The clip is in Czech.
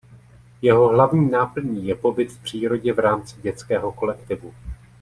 Jeho hlavní náplní je pobyt v přírodě v rámci dětského kolektivu.